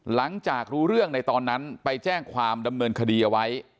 หลังจากรู้เรื่องในตอนนั้นไปแจ้งความดำเนินคดีเอาไว้